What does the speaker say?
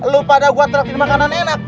lo pada buat raffit makanan enak